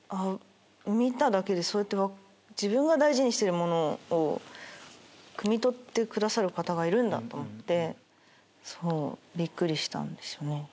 見ただけでそうやって自分が大事にしてるものをくみ取ってくださる方がいるんだと思ってびっくりしたんですよね。